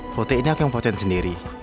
foto ini aku yang fotoin sendiri